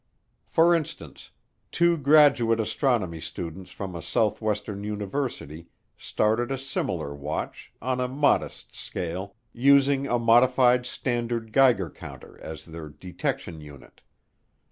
For instance, two graduate astronomy students from a southwestern university started a similar watch, on a modest scale, using a modified standard Geiger counter as their detection unit.